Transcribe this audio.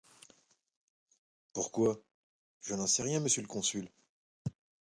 Pourquoi ?… je n’en sais rien, monsieur le consul